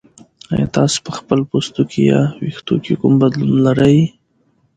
ایا تاسو په خپل پوستکي یا ویښتو کې کوم بدلون لرئ؟